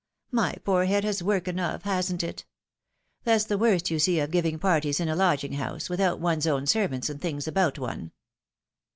My poor head has work enough, hasn't it ? That's the worst, you see, of giving parties in a lodging house, without one's own servants and things about one.